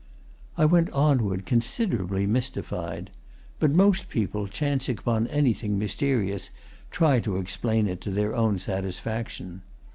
I went onward, considerably mystified. But most people, chancing upon anything mysterious try to explain it to their own satisfaction.